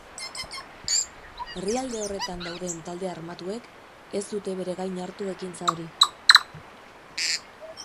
Herrialde horretan dauden talde armatuek ez dute bere gain hartu ekintza hori.